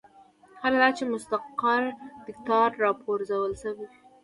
حال دا چې مستقر دیکتاتور راپرځول شوی وي.